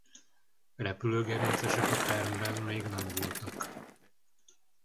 Repülő gerincesek a permben még nem voltak.